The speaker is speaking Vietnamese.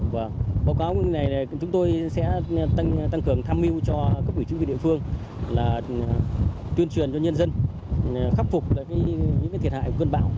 vâng báo cáo như thế này thì chúng tôi sẽ tăng cường tham mưu cho cấp ủy chức vị địa phương là tuyên truyền cho nhân dân khắc phục những thiệt hại của cơn bão